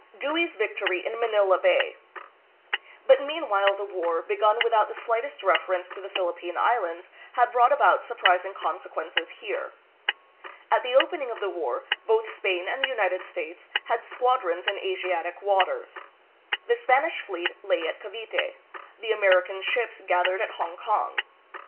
Dewey's Yictory in Manila Bay. But meanwhile the war, begun without the slightest reference to the Philippine Islands, had brought about surprising conse quences here. At the opening of the war, both Spain and the United States had squadrons in Asiatic waters. The Spanish fleet lay at Cavite, the American ships gathered at Hong kong.